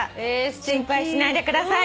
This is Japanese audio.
心配しないでください。